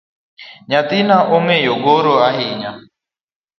Nyathina ongeyo goro ahinya